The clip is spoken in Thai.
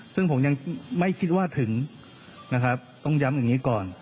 ซึ่งผมยังไม่คิดว่าถึงนะครับต้องย้ำอย่างนี้ก่อน